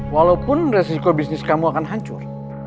walaupun resiko bisnis kamu akan hancur